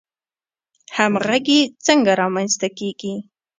همغږي څنګه رامنځته کیږي؟